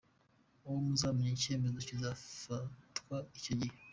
Ubwo muzamenya icyemezo kizafatwa icyo gihe.